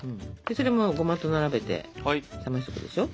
それもゴマと並べて冷ましておくでしょ。